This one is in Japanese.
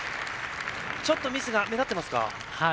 ちょっとミスが目立ってますか。